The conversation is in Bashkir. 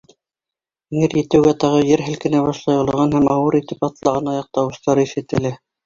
Эңер етеүгә, тағы ер һелкенә башлай, олоған һәм ауыр итеп атлаған аяҡ тауыштары ишетелә.